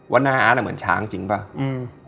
ว่าหน้าอาร์ตอ่ะเหมือนช้างจริงป่ะอืม